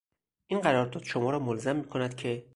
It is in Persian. این قرارداد شما را ملزم میکند که...